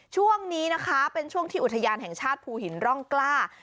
ช่วงนี้นะคะเป็นช่วงที่อุทยานแห่งชาติภูหินร่องกล้า